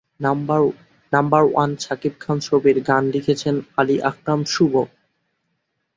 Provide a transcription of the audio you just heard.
Number one Shakib Khan ছবির গান লিখেছেন আলী আকরাম শুভ।